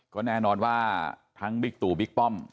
ก็แน่นอนว่าทั้งบิ๊กตู่บิ๊กป้อม